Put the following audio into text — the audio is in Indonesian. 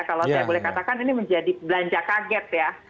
kalau saya boleh katakan ini menjadi belanja kaget ya